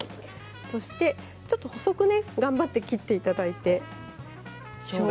ちょっと細く頑張って切っていただいてしょうが。